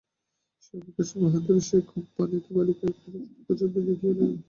সেই অবকাশে মহেন্দ্র সেই কম্পান্বিতা বালিকার করুণ মুখচ্ছবি দেখিয়া লইল।